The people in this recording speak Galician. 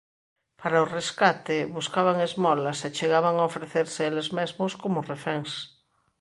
Para o rescate buscaban esmolas e chegaban a ofrecerse eles mesmos como reféns.